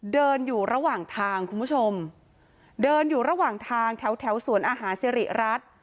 เดินอยู่ระหว่างทางคุณผู้ชมเดินอยู่ระหว่างทางแถวแถวสวนอาหารสิริรัตน์